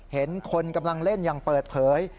เห็นคนกำลังเล่นอย่างเปิดเผย